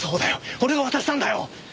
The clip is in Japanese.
俺が渡したんだよ。